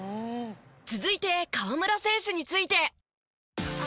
続いて河村選手について。